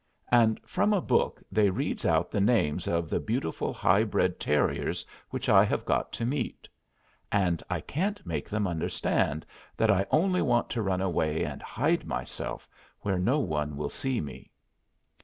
And from a book they reads out the names of the beautiful high bred terriers which I have got to meet. And I can't make 'em understand that I only want to run away and hide myself where no one will see me.